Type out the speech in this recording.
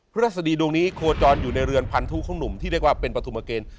พระราศรีตรงนี้โคจรอยู่ในเรือนพันธุคุณหนุ่มที่เรียกว่าเป็นปัทวมาเกณฑ์